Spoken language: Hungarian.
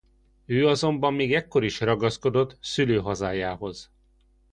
Ő azonban még ekkor is ragaszkodott szülőhazájához.